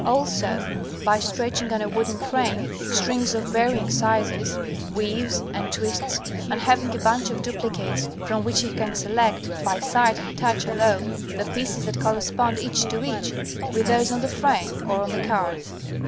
Also by stretching on a wooden frame, strings of varying sizes, weaves, and twists, and having a bunch of duplicates from which he can select, by sight and touch alone, the pieces that correspond, each to each, with those on the frame or on the cards.